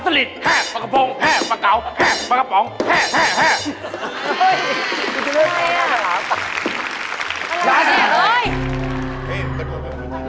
แฮมะกะสลิด